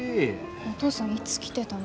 お父さんいつ来てたの？